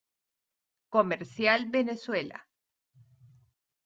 Comercial Venezuela".